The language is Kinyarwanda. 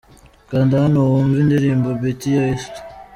Kanda hano wumve indirimbo’Betty ya EeSam .